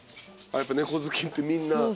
やっぱ猫好きみんな。